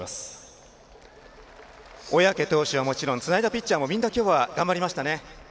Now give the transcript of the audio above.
小宅投手はもちろんつないだピッチャーもみんな頑張りましたね。